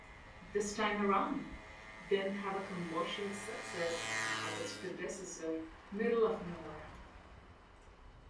"This Time Around" didn't have the commercial success of its predecessor "Middle of Nowhere".